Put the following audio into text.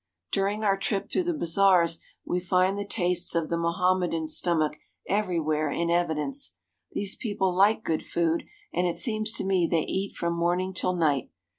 During our trip through the bazaars we find the tastes of the Mohammedan stomach everywhere in evidence. These people like good food, and it seems to me they eat from morning till night.